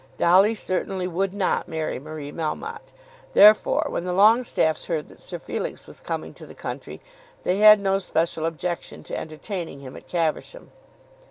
Dolly certainly would not marry Marie Melmotte. Therefore when the Longestaffes heard that Sir Felix was coming to the country, they had no special objection to entertaining him at Caversham.